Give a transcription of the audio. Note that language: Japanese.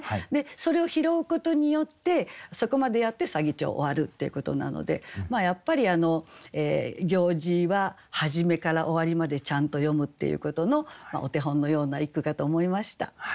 それを拾うことによってそこまでやって左義長終わるっていうことなのでやっぱり行事は始めから終わりまでちゃんと詠むっていうことのお手本のような一句かと思いました。